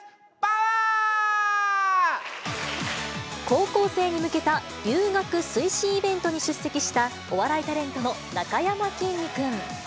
高校生に向けた留学推進イベントに出席した、お笑いタレントのなかやまきんに君。